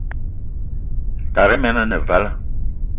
Tara men ane vala.